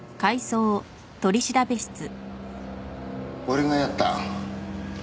俺がやった。